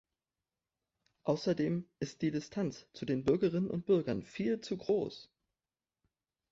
Außerdem ist die Distanz zu den Bürgerinnen und Bürgern viel zu groß.